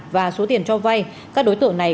và số tiền cho vay các đối tượng này